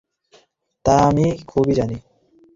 তা আমি খুবই জানি।